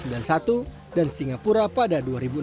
dan singapura pada dua ribu enam